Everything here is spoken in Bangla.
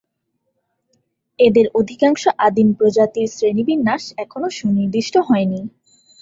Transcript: এদের অধিকাংশ আদিম প্রজাতির শ্রেণীবিন্যাস এখনও সুনির্দিষ্ট হয়নি।